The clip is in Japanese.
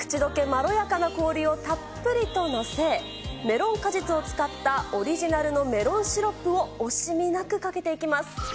まろやかな氷をたっぷりと載せ、メロン果実を使ったオリジナルのメロンシロップを惜しみなくかけていきます。